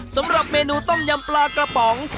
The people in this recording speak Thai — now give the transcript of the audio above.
สำหรับเมนูต้มยำปลากระป๋อง